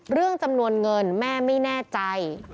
เรื่องจำนวนเงินแม่ไม่แน่ใจ